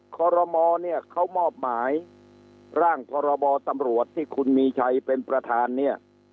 คอรมอเนี่ยเขามอบหมายร่างพรบตำรวจที่คุณมีชัยเป็นประธานเนี่ย